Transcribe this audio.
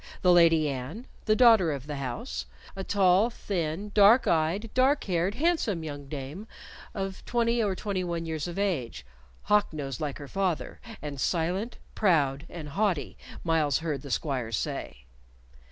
The Lady Anne, the daughter of the house; a tall, thin, dark eyed, dark haired, handsome young dame of twenty or twenty one years of age, hawk nosed like her father, and silent, proud, and haughty, Myles heard the squires say.